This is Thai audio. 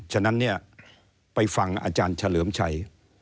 ฉะนั้นเนี่ยไปฟังอาจารย์เฉลิมชัย